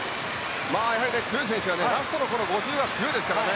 強い選手はラストの５０は強いですからね。